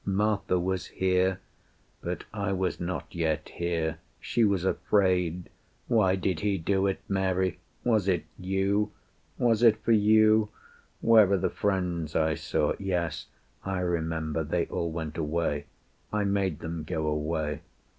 ... Martha was here But I was not yet here. She was afraid. ... Why did He do it, Mary? Was it you? Was it for you? ... Where are the friends I saw? Yes, I remember. They all went away. I made them go away.